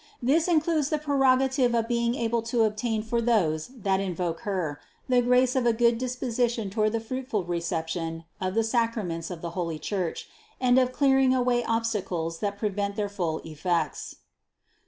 This includes the pre rogative of being able to obtain for those that invoke Her, the grace of a good disposition toward the fruit ful reception of the Sacraments of the holy Church and of clearing away obstacles that prevent their full effects.